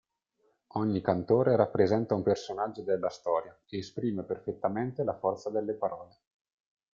Ogni cantore rappresenta un personaggio della storia e esprime perfettamente la forza delle parole.